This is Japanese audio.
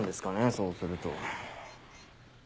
そうすると。